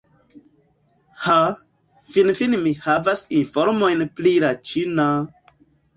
Ha, finfine ni havas informojn pri la ĉina!